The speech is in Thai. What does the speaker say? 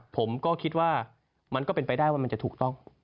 ผมก็คิดว่ามันก็เป็นไปได้ว่ามันจะถูกต้อง